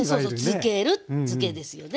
つけるづけですよね。